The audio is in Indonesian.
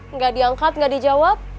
enggak diangkat enggak dijawab